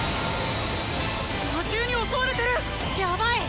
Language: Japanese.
魔獣に襲われてる⁉ヤバいっ！